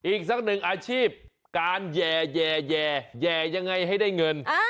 อีกสักหนึ่งอาชีพการแย่แย่ยังไงให้ได้เงิน